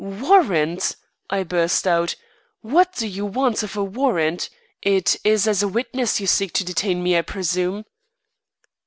"Warrant!" I burst out, "what do you want of a warrant? It is as a witness you seek to detain me, I presume?"